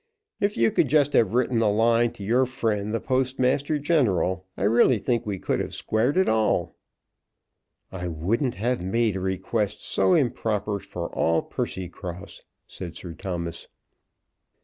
If you could just have written a line to your friend the Postmaster General, I really think we could have squared it all." "I wouldn't have made a request so improper for all Percycross," said Sir Thomas.